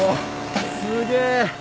すげえ！